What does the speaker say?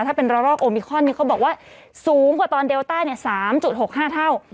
ถ้าเป็นระลอกโอมิคอนเขาบอกว่าสูงกว่าตอนเดลต้า๓๖๕เท่า